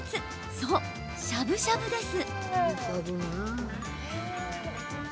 そう、しゃぶしゃぶです。